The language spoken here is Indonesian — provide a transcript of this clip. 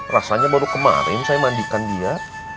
rasanya baru kemarin saya mandikan dia